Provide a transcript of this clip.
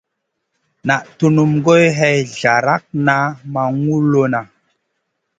Naʼ tunum goy hay zlaratna ma ŋulona.